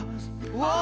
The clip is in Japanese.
うわ！